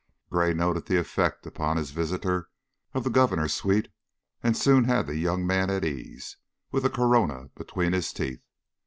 Gray noted the effect upon his visitor of the Governor's suite and soon had the young man at ease, with a Corona between his teeth.